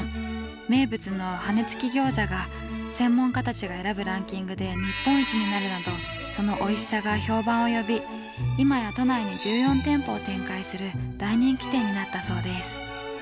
名物の羽根つき餃子が専門家たちが選ぶランキングで日本一になるなどそのおいしさが評判を呼び今や都内に１４店舗を展開する大人気店になったそうです。